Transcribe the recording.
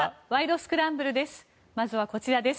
スクランブル」です。